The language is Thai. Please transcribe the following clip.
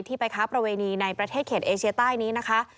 ไปค้าประเวณีในประเทศเขตเอเชียใต้นี้นะคะ